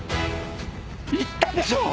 言ったでしょう。